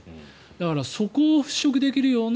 だからそこを払しょくできるような